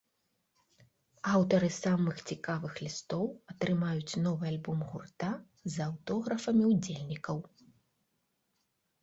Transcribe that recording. Аўтары самых цікавых лістоў атрымаюць новы альбом гурта з аўтографамі ўдзельнікаў.